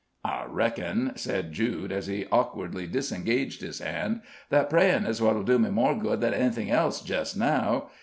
"I reckon," said Jude, as he awkwardly disengaged his hand, "that prayin' is what'll do me more good than anythin' else jest now.